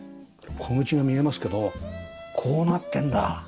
小口が見えますけどこうなってるんだ。